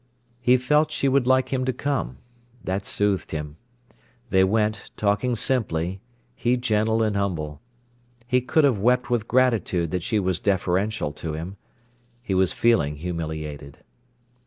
He felt she would like him to come. That soothed him. They went, talking simply, he gentle and humble. He could have wept with gratitude that she was deferential to him. He was feeling humiliated.